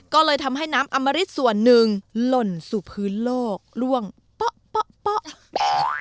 ก็เลยทำให้น้ำอมริตส่วนหนึ่งหล่นสู่พื้นโลกล่วงเป๊ะ